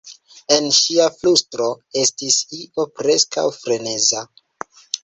En ŝia flustro estis io preskaŭ freneza.